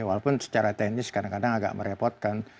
walaupun secara teknis kadang kadang agak merepotkan